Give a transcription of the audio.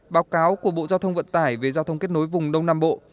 báo cáo của bộ giao thông vận tải về giao thông kết nối vùng đông nam bộ